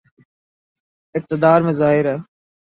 اقتدار میں ظاہر ہے۔